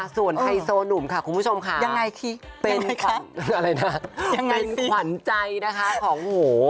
ส่วนไฮโซหนุ่มค่ะคุณผู้ชมค่ะเป็นเป็นขวัญใจนะคะของโอ้โฮ